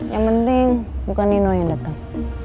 yang penting bukan nino yang datang